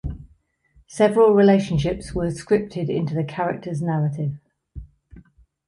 Several relationships were scripted into the character's narrative.